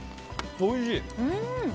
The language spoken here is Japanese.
おいしい。